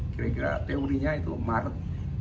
kira kira teorinya itu maret dua ribu dua puluh empat